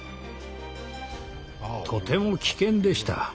とても危険でした。